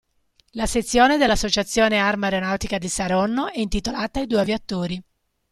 La sezione dell'Associazione Arma Aeronautica di Saronno è intitolata ai due aviatori.